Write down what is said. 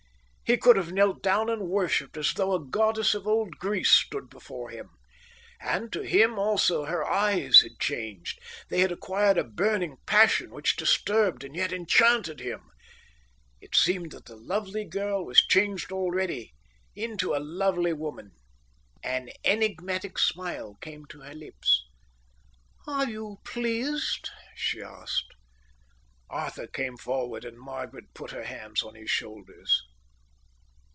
He could have knelt down and worshipped as though a goddess of old Greece stood before him. And to him also her eyes had changed. They had acquired a burning passion which disturbed and yet enchanted him. It seemed that the lovely girl was changed already into a lovely woman. An enigmatic smile came to her lips. "Are you pleased?" she asked. Arthur came forward and Margaret put her hands on his shoulders.